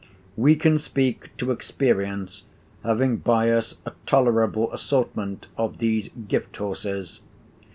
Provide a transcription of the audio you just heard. We can speak to experience, having by us a tolerable assortment of these gift horses.